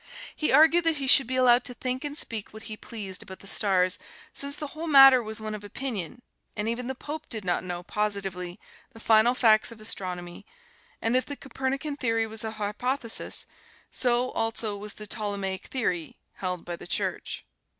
He argued that he should be allowed to think and speak what he pleased about the stars, since the whole matter was one of opinion, and even the Pope did not know, positively, the final facts of astronomy, and if the Copernican Theory was a hypothesis, so also was the Ptolemaic Theory held by the Church.